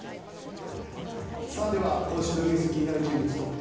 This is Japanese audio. では今週のニュース気になる人物トップ１０。